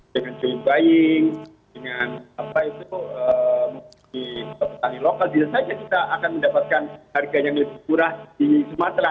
dengan joe buying dengan petani lokal bisa saja kita akan mendapatkan harga yang lebih murah di sumatera